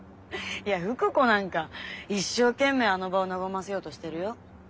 いや福子なんか一生懸命あの場を和ませようとしてるよ。